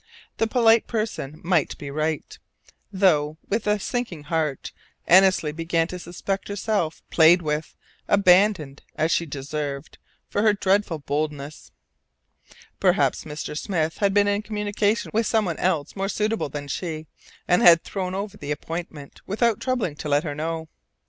The polite person might be right, though with a sinking heart Annesley began to suspect herself played with, abandoned, as she deserved, for her dreadful boldness. Perhaps Mr. Smith had been in communication with someone else more suitable than she, and had thrown over the appointment without troubling to let her know.